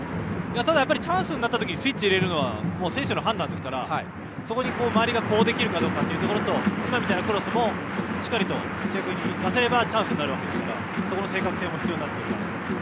ただチャンスになったときスイッチを入れるのは選手の判断ですからそこで周りが呼応できるかというところと今みたいなクロスも正確に出せればチャンスになるわけですからその正確性も必要になるかなと。